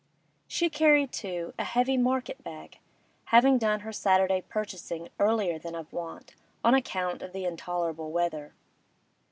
She carried, too, a heavy market bag, having done her Saturday purchasing earlier than of wont on account of the intolerable weather.